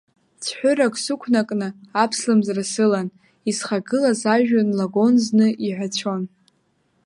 Цәҳәырак сықәнакны аԥслымӡра сылан, исхагылаз ажәҩан лагон зны иҳәацәон.